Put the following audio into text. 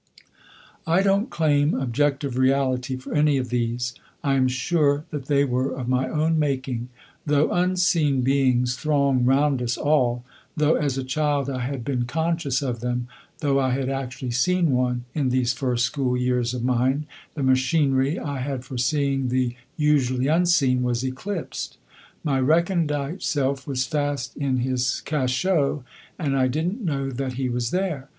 I don't claim objective reality for any of these; I am sure that they were of my own making. Though unseen beings throng round us all, though as a child I had been conscious of them, though I had actually seen one, in these first school years of mine the machinery I had for seeing the usually unseen was eclipsed; my recondite self was fast in his cachot and I didn't know that he was there!